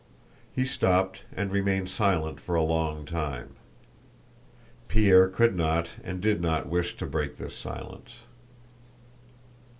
He stopped and remained silent for a long time. Pierre could not and did not wish to break this silence.